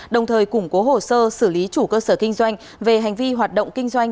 đồng thời củng cố hồ sơ xử lý chủ cơ sở kinh doanh về hành vi hoạt động kinh doanh